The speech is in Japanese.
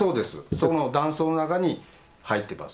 そこの弾倉の中に入ってます。